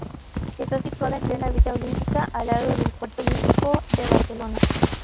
Está situado en plena Villa Olímpica, al lado del Puerto Olímpico de Barcelona.